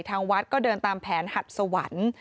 ทางวัดก็เดินตามแผนหัดสวรรค์